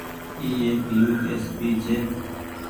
اي ايڪ يو ايس پي ڇي۔